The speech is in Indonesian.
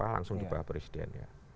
langsung dibahas presiden ya